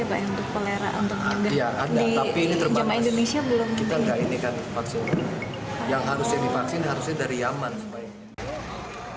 yang harusnya divaksin harusnya dari yaman